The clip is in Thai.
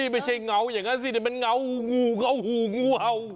ไม่ใช่เงาอย่างนั้นสิแต่มันเงางูเขาหูงูเห่า